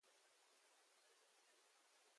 A vo so a.